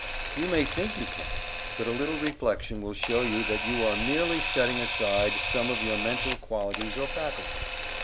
You may think you can, but a little reflection will show you that you are merely setting aside some of your mental qualities or faculties.